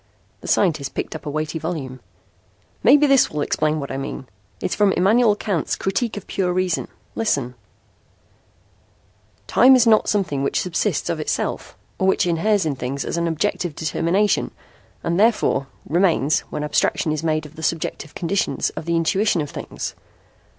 The scientist picked up a weighty volume. "Maybe this will explain what I mean. It's from Immanuel Kant's 'Critique of Pure Reason.' Listen: 'Time is not something which subsists of itself, or which inheres in things as an objective determination, and therefore, remains, when abstraction is made of the subjective conditions of the intuition of things.